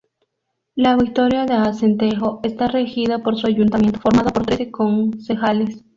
La Victoria de Acentejo está regida por su ayuntamiento, formado por trece concejales.